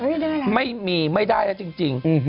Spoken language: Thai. ได้แล้วหรือเปล่าไม่มีไม่ได้แล้วจริง